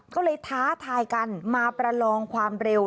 ก็เลยท้าทายกันมาประลองความเร็ว